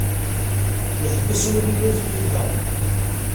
Yeḥbes wul-inu tiyita.